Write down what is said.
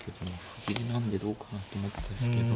歩切れなんでどうかなと思ったですけど。